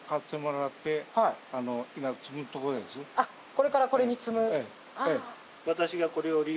これからこれに積む。